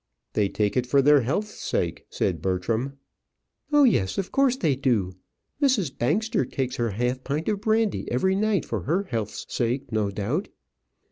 "They take it for their health's sake," said Bertram. "Oh, yes; of course they do. Mrs. Bangster takes her half pint of brandy every night for her health's sake, no doubt.